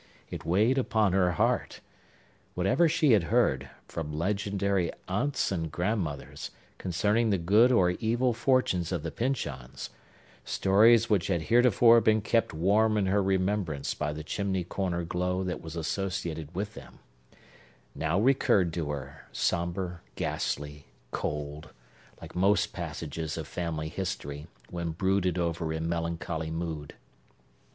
It weighed upon her heart. Whatever she had heard, from legendary aunts and grandmothers, concerning the good or evil fortunes of the Pyncheons,—stories which had heretofore been kept warm in her remembrance by the chimney corner glow that was associated with them,—now recurred to her, sombre, ghastly, cold, like most passages of family history, when brooded over in melancholy mood.